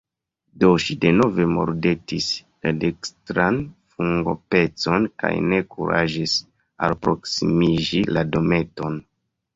Do ŝi denove mordetis la dekstran fungopecon, kaj ne kuraĝis alproksimiĝi la dometon.